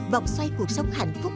vòng xoay cuộc sống hạnh phúc